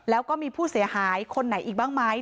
แล้วก็มีผู้เสียหายคนไหนอีกบ้างไหม